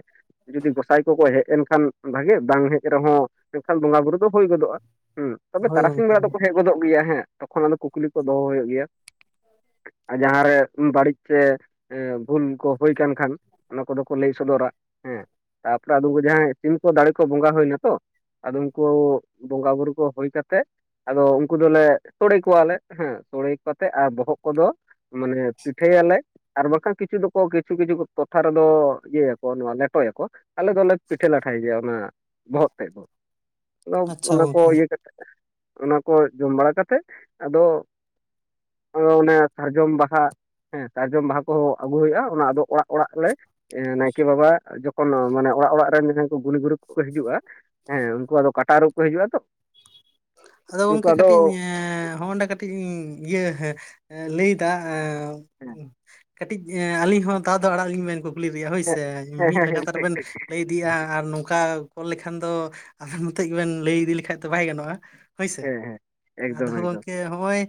ᱡᱩᱫᱤ ᱜᱚᱸᱥᱟᱭ ᱠᱚᱠᱚ ᱦᱮᱡ ᱮᱱᱠᱷᱟᱱ ᱵᱷᱟᱜᱮ ᱵᱟᱝ ᱦᱮᱡ ᱨᱮᱦᱚᱸ ᱮᱱᱠᱷᱟᱱ ᱵᱚᱸᱜᱟ ᱵᱩᱨᱩ ᱫᱚ ᱦᱩᱭ ᱜᱚᱫᱚᱜᱼᱟ ᱦᱩᱸ ᱛᱚᱵᱮ ᱦᱳᱭ ᱛᱟᱨᱟᱥᱤᱧ ᱜᱚᱝᱠᱮ ᱵᱮᱲᱟ ᱦᱮᱸ ᱫᱚᱠᱚ ᱦᱮᱡ ᱜᱚᱫᱚᱜ ᱜᱮᱭᱟ ᱦᱮᱸ ᱛᱚᱠᱷᱚᱱ ᱟᱫᱚ ᱠᱩᱠᱞᱤ ᱠᱚ ᱫᱚᱦᱚ ᱦᱩᱭᱩᱜ ᱜᱮᱭᱟ ᱾ ᱟᱨ ᱡᱟᱦᱟᱸᱨᱮ ᱵᱟᱹᱲᱤᱡ ᱥᱮ ᱵᱷᱩᱞ ᱠᱚ ᱦᱩᱭ ᱠᱟᱱ ᱠᱷᱟᱱ ᱚᱱᱟ ᱠᱚᱫᱚ ᱠᱚ ᱞᱟᱹᱭ ᱥᱚᱫᱚᱨᱟ ᱾ ᱦᱮᱸ ᱛᱟᱯᱚᱨᱮ ᱟᱫᱚ ᱡᱟᱦᱟᱸᱭ ᱥᱤᱢ ᱠᱚ ᱫᱟᱲᱮ ᱠᱚ ᱵᱚᱸᱜᱟ ᱦᱩᱭᱱᱟ ᱛᱚ ᱟᱫᱚ ᱩᱱᱠᱩ ᱵᱚᱸᱜᱟ ᱵᱩᱨᱩ ᱠᱚ ᱦᱩᱭ ᱠᱟᱛᱮ ᱟᱫᱚ ᱩᱱᱠᱩ ᱫᱚᱞᱮ ᱥᱚᱲᱮ ᱠᱚᱣᱟᱞᱮ ᱦᱮᱸ ᱥᱚᱲᱮ ᱠᱟᱛᱮᱫ ᱟᱨ ᱵᱚᱦᱚᱜ ᱠᱚᱫᱚ ᱢᱟᱱᱮ ᱯᱤᱴᱷᱟᱹᱭᱟᱞᱮ ᱟᱨ ᱵᱟᱝᱠᱷᱟᱱ ᱠᱤᱪᱷᱩ ᱫᱚᱠᱚᱷ ᱠᱤᱪᱷᱩ ᱠᱤᱪᱷᱩ ᱴᱚᱴᱷᱟ ᱨᱮᱫᱚ ᱤᱭᱟᱹᱭᱟᱠᱚ ᱱᱚᱣᱟ ᱞᱮᱴᱚᱭᱟᱠᱚ ᱟᱞᱮ ᱫᱚᱞᱮ ᱯᱤᱴᱷᱟᱹ ᱞᱟᱴᱷᱟᱭ ᱜᱮᱭᱟ ᱚᱱᱟ᱾ ᱵᱚᱦᱚᱜ ᱛᱮᱫ ᱦᱚᱸ ᱟᱫᱚ ᱟᱪᱪᱷᱟ ᱚᱱᱟ ᱠᱚ ᱜᱚᱝᱠᱮ ᱤᱭᱟᱹ ᱠᱟᱛᱮᱫ ᱚᱱᱟ ᱠᱚ ᱡᱚᱢ ᱵᱟᱲᱟ ᱠᱟᱛᱮᱫ ᱟᱫᱚ ᱚᱱᱮ ᱥᱟᱨᱡᱚᱢ ᱵᱟᱦᱟ ᱥᱟᱨᱡᱚᱢ ᱵᱟᱦᱟ ᱠᱚᱦᱚᱸ ᱟᱹᱜᱩ ᱦᱩᱭᱩᱜᱼᱟ᱾ ᱟᱫᱚ ᱚᱱᱟ ᱚᱲᱟᱜ ᱚᱲᱟᱜ ᱞᱮ ᱱᱟᱭᱠᱮ ᱵᱟᱵᱟ ᱡᱚᱠᱷᱚᱱ ᱢᱟᱱᱮ ᱚᱲᱟᱜ ᱚᱲᱟᱜ ᱨᱮᱱ ᱡᱟᱦᱟᱸᱭ ᱜᱩᱱᱤ ᱜᱩᱨᱤᱵ ᱠᱚᱠᱚ ᱦᱤᱡᱩᱜᱼᱟ᱾ ᱦᱮᱸ ᱩᱱᱠᱩ ᱟᱫᱚ ᱠᱟᱴᱟ ᱟᱨᱩᱵ ᱠᱚ ᱦᱤᱡᱩᱜᱼᱟ ᱛᱚ ᱟᱫᱚ ᱜᱚᱝᱠᱮ ᱠᱟᱹᱴᱤᱡ ᱮᱸ ᱦᱮᱸ ᱦᱚᱸᱚᱱᱰᱮ ᱠᱟᱹᱴᱤᱡ ᱤᱭᱟᱹ ᱞᱟᱹᱭᱫᱟ ᱮᱸ ᱦᱮᱸ ᱠᱟᱹᱴᱤᱡ ᱟᱹᱞᱤᱧ ᱦᱚᱸ ᱫᱟᱣ ᱫᱚ ᱟᱲᱟᱜ ᱟᱞᱤᱧ ᱵᱤᱱ ᱠᱩᱠᱞᱤ ᱨᱮᱭᱟᱜ ᱦᱩᱭᱥᱮ ᱦᱮᱸ ᱢᱤᱫ ᱦᱮᱸ ᱦᱮᱸ ᱞᱟᱜᱟᱛᱟᱨ ᱴᱷᱤᱠ ᱵᱤᱱ ᱴᱷᱤᱠ ᱞᱟᱹᱭ᱾ ᱤᱫᱤᱜᱼᱟ ᱟᱨ ᱱᱚᱝᱠᱟ ᱠᱚᱞ ᱞᱮᱠᱷᱟᱱ ᱫᱚ ᱟᱫᱚ ᱱᱤᱛᱚᱜ ᱜᱮᱵᱤᱱ ᱞᱟᱹᱭ ᱤᱫᱤ ᱞᱮᱠᱷᱟᱱ ᱫᱚ ᱵᱟᱭ ᱜᱟᱱᱚᱜᱼᱟ ᱦᱩᱭ ᱥᱮ ᱦᱮᱸ ᱦᱮᱸ ᱟᱫᱚ ᱮᱠᱫᱚᱢ ᱮᱠᱫᱚᱢ ᱜᱚᱝᱠᱮ ᱦᱚᱸᱜᱼᱚᱭ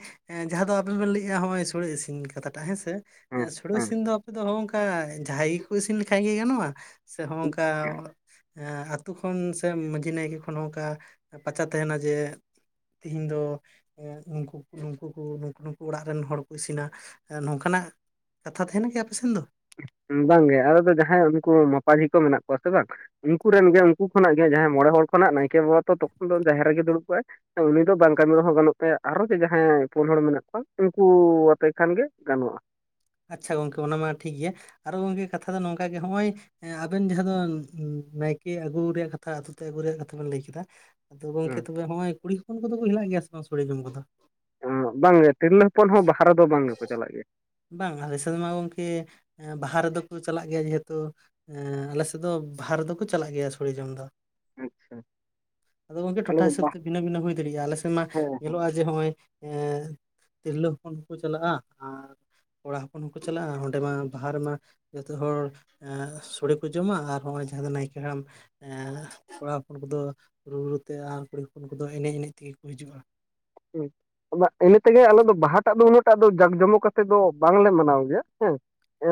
ᱡᱟᱸᱦᱟ ᱫᱚ ᱟᱵᱤᱱ ᱵᱤᱱ ᱞᱟᱹᱭ ᱮᱼᱟ ᱱᱚᱜᱼᱚᱭ ᱥᱲᱮ ᱤᱥᱤᱱ ᱠᱟᱛᱷᱟᱴᱟᱜ ᱦᱮᱸᱥᱮ ᱦᱮᱸ ᱥᱲᱮ ᱤᱥᱤᱱ ᱦᱮᱸ ᱫᱚ ᱟᱯᱮ ᱫᱚ ᱦᱚᱜᱝᱠᱟ᱾ ᱡᱟᱦᱟᱸᱭ ᱜᱮ ᱠᱚ ᱤᱥᱤᱱ ᱞᱮᱠᱷᱟᱡ ᱜᱮ ᱜᱟᱱᱚᱜᱼᱟ ᱥᱮ ᱦᱚᱸᱜ ᱚᱝᱠᱟ ᱟᱹᱛᱩ ᱠᱷᱚᱱ ᱥᱮ ᱢᱟᱹᱡᱷᱤ ᱱᱟᱭᱠᱮ ᱠᱷᱚᱱ ᱦᱚᱸ ᱚᱱᱠᱟ ᱯᱟᱪᱟ ᱛᱟᱦᱮᱱᱟ ᱡᱮ ᱛᱮᱦᱤᱧ ᱫᱚ ᱮᱸᱜ ᱱᱩᱠᱩ ᱠᱚ ᱱᱩᱠᱩ ᱚᱲᱟᱜ ᱨᱮᱱ ᱦᱚᱲ ᱠᱚ ᱤᱥᱤᱱᱟ ᱮ ᱱᱚᱝᱠᱟᱱᱟᱜ ᱠᱟᱛᱷᱟ ᱛᱟᱦᱮᱱᱟ ᱠᱤ ᱟᱯᱮᱥᱮᱱ ᱫᱚ ᱵᱟᱝᱜᱮ ᱟᱞᱮᱫᱚ ᱡᱟᱦᱟᱸᱭ ᱩᱱᱠᱩ ᱢᱟᱯᱟᱡᱤ ᱠᱚ ᱢᱮᱱᱟᱜ ᱠᱚᱣᱟ ᱥᱮ ᱵᱟᱝ ᱩᱱᱠᱩ ᱨᱮᱱ ᱜᱮ ᱩᱱᱠᱩ ᱠᱷᱚᱱᱟᱜ ᱜᱮ ᱡᱟᱸᱦᱟᱭ ᱢᱚᱲᱮ ᱦᱚᱲ ᱠᱷᱚᱱᱟᱜ ᱱᱟᱭᱠᱮ ᱵᱟᱵᱟ ᱛᱚᱠᱷᱚᱱ ᱫᱚ ᱡᱟᱦᱮᱨ ᱨᱮᱜᱮ ᱫᱩᱲᱩᱵ ᱠᱚᱜᱟᱭ᱾ ᱩᱱᱤ ᱫᱚ ᱵᱟᱝ ᱠᱟᱹᱢᱤ ᱨᱮᱦᱚᱸ ᱜᱟᱱᱚᱜ ᱛᱟᱭᱟ ᱟᱨᱚ ᱡᱮ ᱡᱟᱦᱟᱸᱭ ᱯᱩᱱ ᱦᱚᱲ ᱢᱮᱱᱟᱜ ᱠᱚᱣᱟ ᱩᱱᱠᱩ ᱟᱛᱮ ᱠᱷᱟᱱ ᱜᱮ ᱜᱟᱱᱚᱜᱼᱟ᱾ ᱟᱪᱪᱷᱟ ᱜᱚᱝᱠᱮ ᱚᱱᱟ ᱢᱟ ᱴᱷᱤᱠ ᱜᱮᱭᱟ ᱟᱨᱚ ᱜᱚᱝᱠᱮ ᱠᱟᱛᱷᱟ ᱫᱚ ᱱᱚᱝᱠᱟ ᱜᱮ ᱱᱚᱜᱼᱚᱭ᱾ ᱦᱮᱸ ᱟᱵᱮᱱ ᱡᱟᱸᱦᱟ ᱫᱚ ᱱᱟᱭᱠᱮ ᱟᱹᱜᱩ ᱨᱮᱭᱟᱜ ᱠᱟᱛᱷᱟ ᱟᱹᱛᱩ ᱛᱮ ᱟᱹᱜᱩ ᱨᱮᱭᱟᱜ ᱠᱟᱛᱷᱟ ᱵᱤᱱ ᱞᱟᱹᱭ ᱠᱮᱫᱟ᱾ ᱟᱫᱚ ᱜᱚᱝᱠᱮ ᱦᱮᱸ ᱛᱚᱵᱮ ᱱᱚᱜᱼᱚᱭ ᱠᱩᱲᱤ ᱦᱚᱯᱚᱱ ᱠᱚᱫᱚ ᱠᱚ ᱦᱮᱱᱟᱜ ᱜᱮᱭᱟ ᱥᱮ ᱵᱟᱝ ᱥᱚᱲᱮ ᱡᱚᱢ ᱠᱚᱫᱚ ᱵᱟᱝᱜᱮ ᱛᱤᱨᱞᱟᱹ ᱦᱚᱯᱚᱱ ᱦᱚᱸ ᱵᱟᱦᱟ ᱨᱮ ᱫᱚ ᱵᱟᱝ ᱜᱮᱠᱚ ᱪᱟᱞᱟᱜ ᱜᱮᱭᱟ᱾ ᱵᱟᱝ ᱟᱞᱮ ᱥᱮᱫ ᱢᱟ ᱜᱚᱢᱠᱮ ᱵᱟᱦᱟ ᱨᱮᱫᱚ ᱠᱚ ᱪᱟᱞᱟᱜ ᱜᱮᱭᱟ ᱡᱮᱦᱮᱛᱩ᱾ ᱟᱞᱮ ᱥᱮᱫ ᱫᱚ ᱵᱟᱦᱟ ᱨᱮᱫᱚ ᱠᱚ ᱪᱟᱞᱟᱜ ᱜᱮᱭᱟ ᱥᱚᱲᱮ ᱡᱚᱢ ᱫᱚ᱾ ᱟᱫᱚ ᱜᱚᱝᱠᱮ ᱟᱞᱮ ᱴᱚᱴᱷᱟ ᱫᱚ ᱦᱤᱥᱟᱹᱵ ᱵᱟ ᱛᱮ ᱵᱷᱤᱱᱟᱹ ᱵᱷᱤᱱᱟᱹ ᱦᱩᱭ ᱫᱟᱲᱮᱭᱟᱜᱼᱟ ᱟᱞᱮ ᱥᱮᱫ ᱢᱟ ᱦᱮᱸ ᱧᱮᱞᱚᱜᱼᱟ ᱡᱮ ᱱᱚᱜᱼᱚᱭ ᱮᱸ᱾ ᱛᱤᱨᱞᱟᱹ ᱦᱚᱯᱚᱱ ᱠᱚ ᱪᱟᱞᱟᱜᱼᱟ ᱟᱨ ᱠᱚᱲᱟ ᱦᱚᱯᱚᱱ ᱦᱚᱸᱠᱚ ᱪᱟᱞᱟᱜᱼᱟ ᱚᱸᱰᱮ ᱢᱟ ᱵᱟᱦᱟ ᱨᱮ ᱢᱟ ᱡᱚᱛᱚ ᱦᱚᱲ ᱥᱚᱲᱮ ᱠᱚ ᱡᱚᱢᱟ ᱟᱨ ᱱᱚᱜᱚᱭ ᱡᱟᱦᱟᱸ ᱫᱚ ᱱᱟᱭᱠᱮ ᱦᱟᱲᱟᱢ ᱮᱸ ᱠᱚᱲᱟ ᱦᱚᱯᱚᱱ ᱠᱚᱫᱚ ᱨᱩ ᱨᱩ ᱛᱮ ᱟᱨ ᱠᱩᱲᱤ ᱦᱚᱯᱚᱱ ᱠᱚᱫᱚ ᱮᱱᱮᱡ ᱮᱱᱮᱡ ᱛᱮᱜᱮ ᱠᱚ ᱦᱤᱡᱩᱜᱼᱟ᱾ ᱦᱩᱸ ᱟᱫᱚ ᱤᱱᱟᱹ ᱛᱮᱜᱮ ᱟᱞᱮ ᱫᱚ ᱵᱟᱦᱟᱴᱟᱜ ᱫᱚ ᱩᱱᱟᱹᱜ ᱴᱟᱜ ᱫᱚ ᱡᱟᱠ ᱡᱚᱢᱚᱠ ᱠᱟᱛᱮᱫ ᱫᱚ ᱵᱟᱝᱞᱮ ᱢᱟᱱᱟᱣ ᱜᱮᱭᱟ ᱦᱮᱸ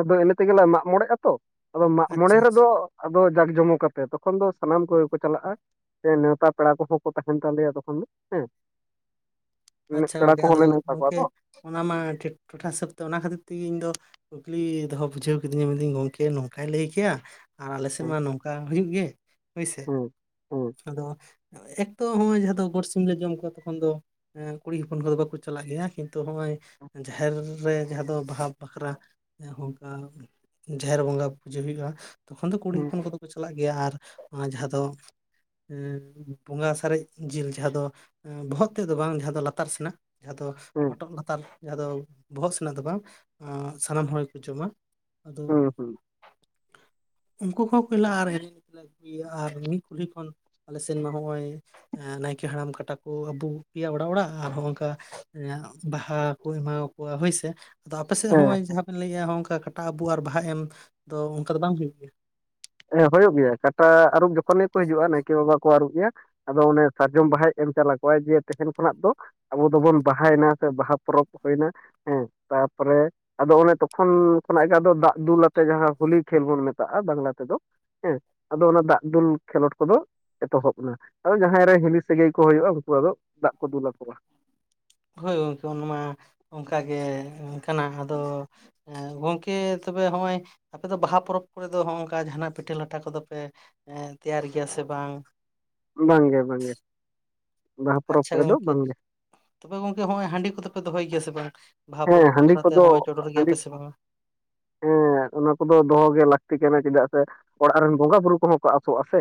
ᱟᱫᱚ ᱤᱱᱟᱹ ᱛᱮᱜᱮᱞᱮ ᱢᱟᱜ ᱢᱚᱲᱮᱜ ᱟᱛᱚ ᱟᱫᱚ ᱢᱟᱜ ᱢᱚᱲᱮ ᱟᱪᱪᱷᱟ ᱟᱪᱪᱷᱟ ᱨᱮᱫᱚ ᱟᱫᱚ ᱡᱟᱠ ᱡᱚᱢᱚᱠ ᱠᱟᱛᱮ ᱛᱚᱠᱷᱚᱱ ᱫᱚ ᱥᱟᱱᱟᱢ ᱠᱚᱜᱮ ᱠᱚ ᱪᱟᱞᱟᱜᱼᱟ ᱥᱮ ᱱᱮᱶᱛᱟ ᱯᱮᱲᱟ ᱠᱚᱦᱚᱸ ᱠᱚ ᱛᱟᱦᱮᱱ ᱛᱟᱞᱮᱭᱟ ᱛᱚᱠᱷᱚᱱ ᱫᱚ ᱦᱮᱸ ᱟᱪᱪᱷᱟ ᱯᱮᱲᱟ ᱜᱚᱝᱠᱮ ᱠᱚᱦᱚᱸ ᱟᱫᱚ ᱞᱮ ᱱᱮᱣᱛᱟ ᱠᱚᱣᱟ ᱜᱚᱝᱠᱮ ᱛᱚ ᱚᱱᱟ ᱢᱟ ᱴᱷᱤᱠ ᱴᱚᱴᱷᱟ ᱦᱤᱥᱟᱹᱵ ᱛᱮ ᱚᱱᱟ ᱠᱷᱟᱹᱛᱤᱨ ᱛᱮᱜᱮ ᱤᱧ ᱫᱚ ᱠᱩᱠᱞᱤ ᱫᱚᱦᱚ ᱵᱩᱡᱷᱟᱹᱣ ᱠᱤᱫᱤᱧᱟ ᱢᱮᱱᱫᱟᱹᱧ ᱜᱚᱢᱠᱮ ᱱᱚᱝᱠᱟᱭ ᱞᱟᱹᱭ ᱠᱮᱼᱟ᱾ ᱟᱨ ᱟᱞᱮ ᱥᱮᱫ ᱦᱮᱸ ᱢᱟ ᱱᱚᱝᱠᱟ ᱦᱩᱭᱩᱜ ᱜᱮ ᱦᱩᱭᱥᱮ᱾ ᱦᱮᱸ ᱦᱮᱸ ᱟᱫᱚ ᱮᱠᱛᱚ ᱦᱚᱸᱜᱚᱭ ᱡᱟᱦᱟᱸ ᱫᱚ ᱜᱚᱴ ᱥᱤᱢᱞᱮ ᱡᱚᱢ ᱠᱚᱣᱟ ᱛᱚᱠᱷᱚᱱ ᱫᱚ ᱠᱩᱲᱤ ᱦᱚᱯᱚᱱ ᱠᱚᱫᱚ ᱵᱟᱠᱚ ᱪᱟᱞᱟᱜ ᱜᱮᱭᱟ ᱠᱤᱱᱛᱩ ᱱᱚᱜᱼᱚᱭ ᱡᱟᱦᱮᱨ ᱨᱮ ᱡᱟᱦᱟᱸ ᱫᱚ ᱵᱟᱦᱟ ᱵᱟᱠᱷᱨᱟ ᱚᱱᱠᱟ ᱡᱟᱦᱮᱨ ᱵᱚᱸᱜᱟ ᱯᱩᱡᱟᱹ ᱦᱩᱭᱩᱜᱼᱟ ᱛᱚᱠᱷᱚᱱ ᱫᱚ ᱠᱩᱲᱤ ᱦᱮᱸ ᱦᱚᱯᱚᱱ ᱠᱚᱫᱚ ᱠᱚ ᱪᱟᱞᱟᱜ ᱜᱮᱭᱟ ᱟᱨ ᱡᱟᱦᱟᱸ ᱫᱚ ᱵᱚᱸᱜᱟ ᱥᱟᱨᱮᱡ ᱡᱤᱞ ᱡᱟᱦᱟᱸ ᱫᱚ ᱵᱚᱦᱚᱜ ᱛᱮᱫᱚ ᱵᱟᱝ ᱡᱟᱦᱟᱸ ᱫᱚ ᱞᱟᱛᱟᱨ ᱥᱮᱱᱟᱜ ᱾ ᱡᱟᱦᱟᱸ ᱫᱚ ᱦᱮᱸ ᱦᱚᱴᱚᱜ ᱞᱟᱛᱟᱨ ᱡᱟᱦᱟᱸ ᱫᱚ ᱵᱚᱦᱚᱜ ᱥᱮᱱᱟᱜ ᱫᱚ ᱵᱟᱝ ᱥᱟᱱᱟᱢ ᱦᱚᱲ ᱜᱮᱠᱚ ᱡᱚᱢᱟ ᱾ ᱟᱫᱚ ᱦᱮᱸ (unintelligible) ᱩᱝᱠᱩ ᱦᱚᱸ ᱯᱮᱞᱟᱨ ᱟᱨᱮ ᱟᱨ ᱢᱤᱫ ᱠᱩᱞᱦᱤ ᱠᱷᱚᱱ ᱟᱞᱮ ᱥᱮᱱ ᱢᱟ ᱱᱚᱜᱼᱚᱭ ᱱᱟᱭᱠᱮ ᱦᱟᱲᱟᱢ ᱠᱟᱴᱟ ᱠᱚ ᱟᱵᱩᱜ ᱜᱮᱭᱟ ᱚᱲᱟᱜ ᱚᱲᱟᱜ ᱟᱨ ᱦᱚᱝᱠᱟ ᱵᱟᱦᱟ ᱠᱚ ᱮᱢᱟᱣ ᱠᱚᱣᱟ ᱦᱳᱭᱥᱮ᱾ ᱟᱫᱚ ᱟᱯᱮᱥᱮᱜ ᱦᱮᱸ ᱦᱚᱸᱜᱼᱚᱭ ᱡᱟᱦᱟᱸ ᱯᱮ ᱞᱟᱹᱭᱮᱜᱼᱟ ᱦᱚᱸ ᱚᱝᱠᱟ ᱠᱟᱴᱟ ᱟᱵᱩᱜ ᱟᱨ ᱵᱟᱦᱟ ᱮᱢ ᱫᱚ ᱚᱱᱠᱟ ᱫᱚ ᱵᱟᱝ ᱦᱩᱭᱩᱜ ᱜᱮᱭᱟ? ᱦᱮᱸ ᱦᱩᱭᱩᱜ ᱜᱮᱭᱟ ᱠᱟᱴᱟ ᱟᱹᱨᱩᱵ ᱡᱚᱠᱷᱚᱱ ᱜᱮᱠᱚ ᱦᱤᱡᱩᱜᱼᱟ ᱱᱟᱭᱠᱮ ᱵᱟᱵᱟ ᱠᱚ ᱟᱹᱨᱩᱵ ᱮᱭᱟ᱾ ᱟᱫᱚ ᱚᱱᱮ ᱥᱟᱨᱡᱚᱢ ᱵᱟᱦᱟᱭ ᱮᱢ ᱪᱟᱞᱟ ᱠᱚᱣᱟᱭ ᱡᱮ ᱛᱮᱦᱮᱱ ᱠᱷᱚᱱᱟᱜ ᱫᱚ ᱟᱵᱚ ᱫᱚᱵᱚᱱ ᱵᱟᱦᱟᱭ ᱱᱟ ᱥᱮ ᱵᱟᱦᱟ ᱯᱚᱨᱚᱵ ᱦᱩᱭ ᱱᱟ ᱦᱮᱸ ᱛᱟᱯᱚᱨᱮ ᱟᱫᱚ ᱚᱱᱮ ᱛᱚᱠᱷᱚᱱ ᱠᱷᱚᱱᱟᱜ ᱜᱮ ᱟᱫᱚ ᱫᱟᱜ ᱫᱩᱞ ᱟᱛᱮ ᱡᱟᱦᱟᱸ ᱦᱳᱞᱤ ᱠᱷᱮᱞ ᱵᱚᱱ ᱢᱮᱛᱟᱜᱼᱟ ᱵᱟᱝᱞᱟ ᱛᱮᱫᱚ ᱾ ᱦᱮᱸ ᱟᱫᱚ ᱚᱱᱟ ᱫᱟᱜ ᱫᱩᱞ ᱠᱷᱮᱞᱳᱰ ᱠᱚᱫᱚ ᱮᱛᱚᱦᱚᱵ ᱮᱱᱟ ᱡᱟᱦᱟᱸᱭ ᱨᱮᱱ ᱦᱤᱞᱤ ᱥᱟᱹᱜᱟᱹᱭ ᱠᱚ ᱦᱩᱭᱩᱜᱼᱟ ᱩᱱᱠᱩ ᱟᱫᱚ ᱫᱟᱜ ᱠᱚ ᱫᱩᱞᱟ ᱠᱚᱣᱟ᱾ ᱦᱳᱭ ᱜᱚᱝᱠᱮ ᱚᱱᱟ ᱢᱟ ᱚᱝᱠᱟ ᱜᱮ ᱠᱟᱱᱟ ᱟᱫᱚ ᱦᱮᱸ ᱜᱚᱝᱠᱮ ᱛᱚᱵᱮ ᱦᱚᱸᱜᱼᱚᱭ ᱟᱯᱮ ᱫᱚ ᱵᱟᱦᱟ ᱯᱚᱨᱚᱵᱽ ᱠᱚᱨᱮ ᱫᱚ ᱦᱚᱝᱠᱟ ᱡᱟᱦᱟᱱᱟᱜ ᱯᱤᱴᱷᱟᱹ ᱞᱟᱴᱷᱟ ᱠᱚᱫᱚᱯᱮ ᱛᱮᱭᱟᱨ ᱜᱮᱭᱟ ᱥᱮ ᱵᱟᱝ? ᱵᱟᱝᱜᱮ ᱵᱟᱝᱜᱮ᱾ ᱵᱟᱦᱟ ᱯᱚᱨᱚᱵᱽ ᱟᱪᱪᱷᱟ ᱨᱮᱫᱚ ᱜᱚᱝᱠᱮ ᱵᱟᱝᱜᱮ ᱛᱚᱵᱮ ᱜᱚᱢᱠᱮ ᱦᱚᱸᱜᱼᱚᱭ ᱦᱟᱺᱰᱤ ᱠᱚᱫᱚᱯᱮ ᱫᱚᱦᱚᱭ ᱜᱮᱭᱟ ᱥᱮ ᱵᱟᱝ? ᱵᱟᱦᱟ ᱦᱮᱸ ᱯᱚᱨᱚᱵᱽ ᱦᱟᱺᱰᱤ ᱵᱟᱠᱷᱨᱟᱛᱮ ᱦᱚᱸᱜᱼᱚᱭ ᱠᱚᱫᱚ ᱪᱚᱰᱚᱨ ᱦᱟᱺᱰᱤ ᱜᱮᱭᱟᱯᱮ ᱥᱮ ᱵᱟᱝᱼᱟ? ᱦᱮᱸ ᱚᱱᱟ ᱠᱚᱫᱚ ᱫᱚᱦᱚ ᱜᱮ ᱞᱟᱹᱠᱛᱤ ᱠᱟᱱᱟ ᱪᱮᱫᱟᱜ ᱥᱮ ᱚᱲᱟᱜ ᱨᱮᱱ ᱵᱚᱸᱜᱟ ᱵᱩᱨᱩ ᱠᱚᱦᱚᱸ ᱠᱚ ᱟᱥᱚᱜᱼᱟ ᱥᱮ᱾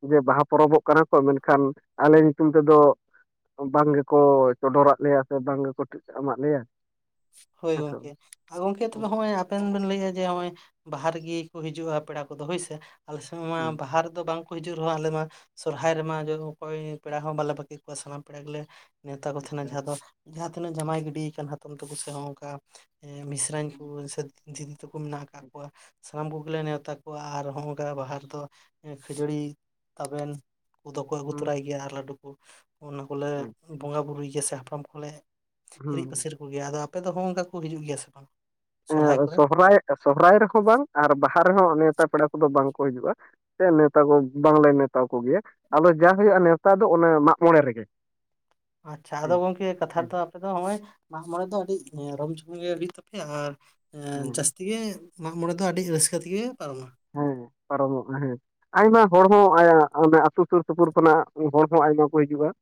ᱦᱮᱸ ᱡᱮ ᱵᱟᱦᱟ ᱯᱚᱨᱚᱵᱚᱜ ᱠᱟᱱᱟ ᱠᱚ ᱢᱮᱱᱠᱷᱟᱱ ᱟᱞᱮ ᱧᱩᱛᱩᱢ ᱛᱮᱫᱚ ᱵᱟᱝ ᱜᱮᱠᱚ ᱪᱚᱰᱚᱨᱟᱫ ᱞᱮᱭᱟ ᱥᱮ ᱵᱟᱝ ᱜᱮᱠᱚ ᱴᱮᱠᱟᱢᱟᱫ ᱞᱮᱭᱟ᱾ ᱦᱳᱭ ᱦᱮᱸᱥᱮ ᱜᱚᱝᱠᱮ ᱟ ᱜᱚᱝᱠᱮ ᱛᱚᱵᱮ ᱦᱚᱸᱜᱼᱚᱭ ᱟ ᱟᱵᱮᱱ ᱵᱮᱱ ᱞᱟᱹᱭᱮᱜᱼᱟ ᱡᱮ ᱱᱚᱜᱚᱭ ᱵᱟᱦᱟ ᱨᱮᱜᱮ ᱠᱚ ᱦᱤᱡᱩᱜᱼᱟ ᱯᱮᱲᱟ ᱠᱚᱫᱚ ᱦᱳᱭᱥᱮ ᱟᱞᱮ ᱥᱮᱫ ᱢᱟ ᱦᱩᱸ ᱵᱟᱦᱟ ᱨᱮᱫᱚ ᱵᱟᱝ ᱦᱤᱡᱩᱜ ᱨᱮᱦᱚᱸ ᱟᱞᱮ ᱢᱟ ᱥᱚᱨᱦᱟᱭ ᱨᱮᱢᱟ ᱚᱠᱚᱭ ᱯᱮᱲᱟ ᱦᱚᱸ ᱵᱟᱞᱮ ᱵᱟᱹᱠᱤ ᱠᱚᱣᱟ ᱥᱟᱱᱟᱢ ᱯᱮᱲᱟ ᱜᱮᱞᱮ ᱱᱮᱶᱛᱟ ᱠᱚ ᱛᱟᱦᱮᱱᱟ ᱡᱟᱦᱟᱸ ᱫᱚ ᱡᱟᱦᱟᱸ ᱛᱤᱱᱟᱹᱜ ᱡᱟᱢᱟᱭ ᱜᱤᱰᱤᱭ ᱟᱠᱟᱱ ᱦᱟᱛᱚᱢ ᱛᱟᱠᱚ ᱥᱮᱱ ᱦᱚᱸ ᱚᱝᱠᱟ ᱮᱸ ᱢᱤᱥ (unintelligible) ᱡᱤᱛ ᱛᱟᱠᱚ ᱢᱮᱱᱟᱜ ᱠᱟᱜ ᱠᱚᱣᱟ ᱥᱟᱱᱟᱢ ᱠᱚᱜᱮᱞᱮ ᱱᱮᱶᱛᱟ ᱠᱚᱣᱟ ᱟᱨ ᱦᱚᱸ ᱱᱚᱝᱠᱟ ᱵᱟᱦᱟ ᱨᱮᱫᱚ ᱦᱮᱸ ᱠᱷᱟᱹᱡᱟᱹᱲᱤ ᱛᱟᱵᱮᱱ ᱠᱚᱫᱚ ᱠᱚ ᱟᱹᱜᱩ ᱛᱚᱨᱟᱭ ᱜᱮᱭᱟ ᱟᱨ ᱞᱟᱹᱰᱩ ᱠᱚ ᱚᱱᱟ ᱠᱚᱞᱮ ᱦᱩᱸ ᱵᱚᱸᱜᱟ ᱵᱩᱨᱩᱭ ᱜᱮᱭᱟ ᱥᱮ ᱦᱟᱯᱲᱟᱢ ᱠᱚᱞᱮ ᱦᱤᱨᱤᱡ ᱦᱩᱸ ᱯᱟᱹᱥᱤᱨ ᱠᱚᱜᱮᱭᱟ ᱟᱫᱚ ᱟᱯᱮ ᱫᱚ ᱦᱚᱸ ᱚᱱᱠᱟ ᱠᱚ ᱦᱤᱡᱩᱜ ᱜᱮᱭᱟ ᱥᱮ ᱵᱟᱝ? ᱥᱚᱨᱦᱟᱭ ᱠᱚᱨᱮ ᱥᱚᱦᱨᱟᱭ ᱥᱚᱦᱨᱟᱭ ᱨᱮᱦᱚᱸ ᱵᱟᱝ ᱟᱨ ᱵᱟᱦᱟ ᱨᱮᱦᱚᱸ ᱱᱮᱶᱛᱟ ᱯᱮᱲᱟ ᱠᱚᱫᱚ ᱵᱟᱝ ᱠᱚ ᱦᱤᱡᱩᱜᱼᱟ ᱾ ᱥᱮ ᱱᱮᱶᱛᱟ ᱠᱚ ᱵᱟᱝᱞᱮ ᱱᱮᱶᱛᱟ ᱠᱚᱜᱮᱭᱟ ᱟᱫᱚ ᱡᱟ ᱦᱩᱭᱩᱜᱼᱟ ᱱᱮᱶᱛᱟ ᱫᱚ ᱚᱱᱮ ᱢᱟᱜ ᱢᱚᱬᱮ ᱨᱮᱜᱮ ᱾ ᱟᱪᱪᱷᱟ ᱟᱫᱚ ᱜᱚᱝᱠᱮ ᱠᱟᱛᱷᱟ ᱨᱮᱫᱚ ᱟᱯᱮ ᱫᱚ ᱦᱚᱸᱜᱼᱚᱭ ᱢᱟᱜ ᱢᱚᱬᱮ ᱫᱚ ᱟᱹᱰᱤ ᱨᱚᱢ ᱡᱚᱢ ᱜᱮ ᱦᱩᱭᱩᱜ ᱛᱟᱯᱮᱭᱟ ᱟᱨ ᱮᱸ ᱦᱮᱸ ᱡᱟᱹᱥᱛᱤ ᱜᱮ ᱢᱟᱜ ᱢᱚᱬᱮ ᱫᱚ ᱟᱹᱰᱤ ᱨᱟᱹᱥᱠᱟᱹ ᱛᱮᱜᱮ ᱯᱟᱨᱚᱢᱟ᱾ ᱦᱮᱸ ᱯᱟᱨᱚᱢᱚᱜᱼᱟ ᱦᱮᱸ᱾ ᱟᱭᱢᱟ ᱦᱚᱲ ᱦᱚᱸ ᱟ ᱟᱛᱳ ᱥᱩᱨ ᱥᱩᱯᱩᱨ ᱠᱷᱚᱱᱟᱜ ᱦᱚᱲ ᱦᱚᱸ ᱟᱭᱢᱟ ᱠᱚ ᱦᱤᱡᱩᱜᱼᱟ ᱾